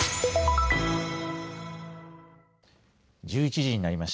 １１時になりました。